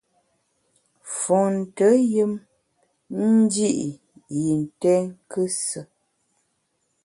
Fonte yùm ndi’ yi nté nkusù.